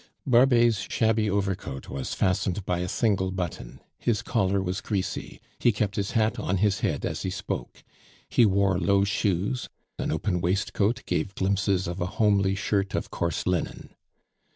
Barbet's shabby overcoat was fastened by a single button; his collar was greasy; he kept his hat on his head as he spoke; he wore low shoes, an open waistcoat gave glimpses of a homely shirt of coarse linen.